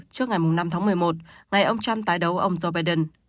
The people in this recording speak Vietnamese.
trước ngày năm tháng một mươi một ngày ông trump tái đấu ông joe biden